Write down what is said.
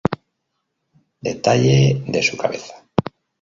Detalle de su cabeza